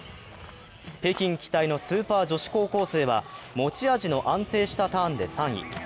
北京期待のスーパー女子高校生は持ち味の安定したターンで３位。